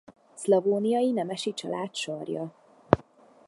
Szlavóniai nemesi család sarja.